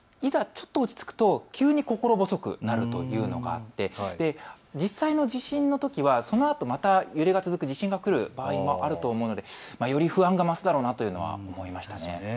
ちょっと落ち着くと急に心細くなるというのがあって実際の地震のときはそのあと、また揺れが続く地震がくる場合もあると思うのでより不安が増すだろうなというのは思いました。